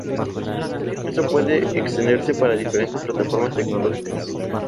Esto puede extenderse para diferentes plataformas tecnológicas.